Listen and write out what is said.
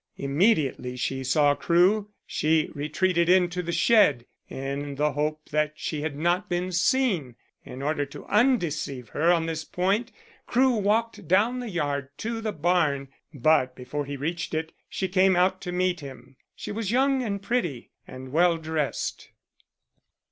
Immediately she saw Crewe she retreated into the shed in the hope that she had not been seen. In order to undeceive her on this point, Crewe walked down the yard to the barn, but before he reached it she came out to meet him. She was young and pretty and well dressed.